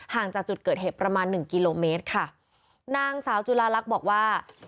จากจุดเกิดเหตุประมาณหนึ่งกิโลเมตรค่ะนางสาวจุลาลักษณ์บอกว่า